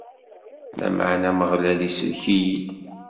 Lameɛna Ameɣlal isellek-iyi-d.